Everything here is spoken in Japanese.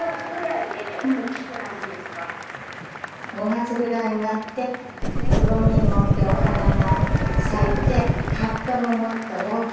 ５月ぐらいになってつぼみ持ってお花が咲いて葉っぱももっと大きくなります。